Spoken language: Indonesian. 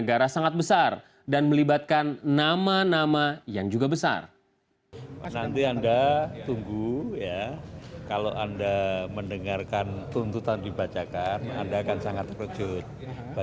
banyak orang yang namanya disebutkan di sana